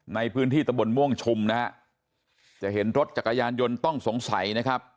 ในพื้นที่ตะบนม่วงชุมนะฮะจะเห็นรถจักรยานยนต์ต้องสงสัยนะครับ